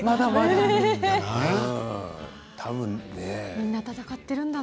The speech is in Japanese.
みんな闘っているんだな。